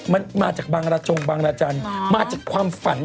มันมาจากบางรจงบางราจันทร์มาจากความฝัน